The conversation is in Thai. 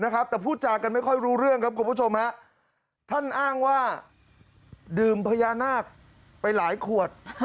แต่พูดจากันไม่ค่อยรู้เรื่องครับคุณผู้ชมฮะท่านอ้างว่าดื่มพญานาคไปหลายขวด